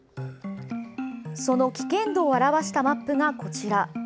その危険度を表したマップがこちら。